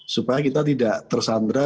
supaya kita tidak tersandra